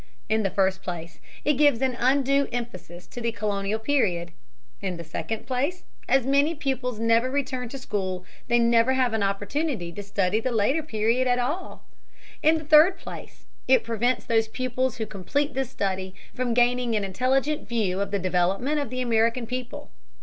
In the first place, it gives an undue emphasis to the colonial period; in the second place, as many pupils never return to school, they never have an opportunity to study the later period at all; in the third place, it prevents those pupils who complete this study from gaining an intelligent view of the development of the American people.